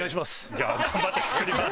じゃあ頑張って作ります。